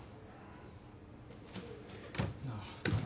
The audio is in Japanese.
なあ。